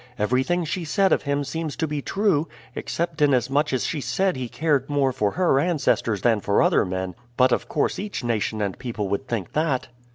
Everything she said of him seems to be true, except inasmuch as she said he cared more for her ancestors than for other men; but of course each nation and people would think that."